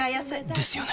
ですよね